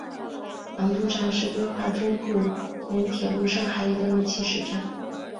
黄渡站是规划中沪通铁路上海一端的起始站。